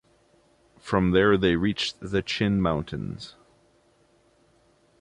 From there they reached the Chin Mountains.